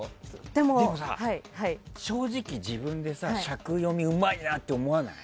でもさ、正直自分で尺読みうまいなって思わない？